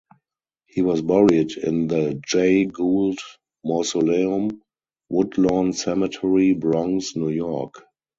He was buried in the Jay Gould Mausoleum, Woodlawn Cemetery, Bronx, New York.